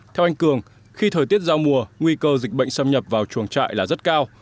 theo anh cường khi thời tiết giao mùa nguy cơ dịch bệnh xâm nhập vào chuồng trại là rất cao